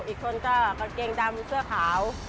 อีกคนก็กางเกงดำเสื้อขาว